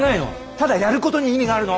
ただやることに意味があるの！